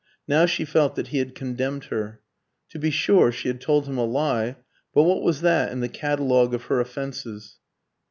Now she felt that he had condemned her. To be sure, she had told him a lie; but what was that in the catalogue of her offences?